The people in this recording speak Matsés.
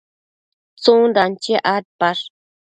tsundan chiac adpash?